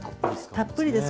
たっぷりです。